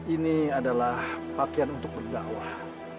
ini adalah pakaian untuk berdakwah